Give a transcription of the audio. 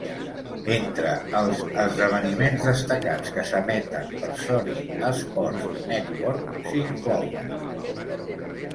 Entre els esdeveniments destacats que s'emeten per Sony Sports Network s'inclouen